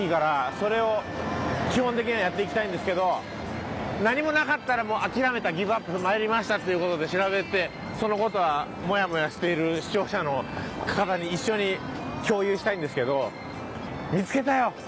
それを基本的にはやっていきたいんですけど何もなかったらもう諦めたギブアップ参りましたっていう事で調べてその事はモヤモヤしている視聴者の方に一緒に共有したいんですけど見つけたよ！